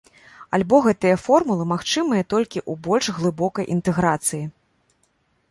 Альбо гэтыя формулы магчымыя толькі ў больш глыбокай інтэграцыі.